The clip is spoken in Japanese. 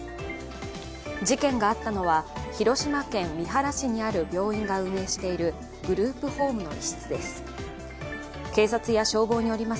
事件があったのは、広島県三原市にある病院が運営しているグループホームの一室です。